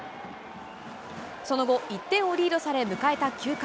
その後、１点をリードされ、迎えた９回。